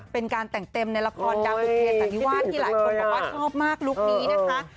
เป็นการแต่งเต็มในละครดังบุเภสันนิวาสที่หลายคนบอกว่าชอบมากลุคนี้นะคะ